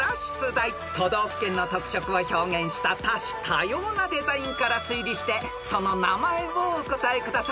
［都道府県の特色を表現した多種多様なデザインから推理してその名前をお答えください］